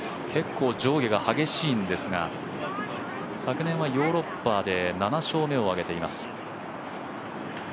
結構上下が激しいんですが、昨年はヨーロッパで７勝目を挙げています。